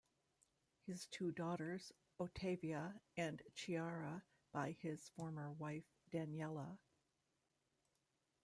He has two daughters, Ottavia and Chiara, by his former wife Daniela.